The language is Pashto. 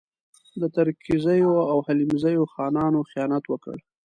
د ترکزیو او حلیمزیو خانانو خیانت وکړ.